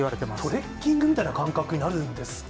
トレッキングみたいな感覚になるんですかね。